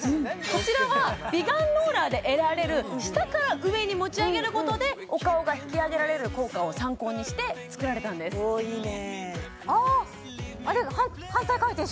こちらは美顔ローラーで得られる下から上に持ち上げることでお顔が引き上げられる効果を参考にして作られたんですおおいいねああ！